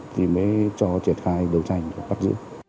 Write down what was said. thì mới cho triển khai đấu tranh và bắt giữ